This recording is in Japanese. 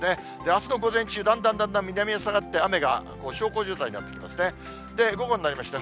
あすの午前中、だんだんだんだん南へ下がって雨が小康状態になってきますね。